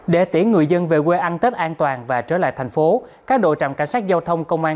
để tiễn người dân về quê ăn tết an toàn và trở lại thành phố các đội trạm cảnh sát giao thông công an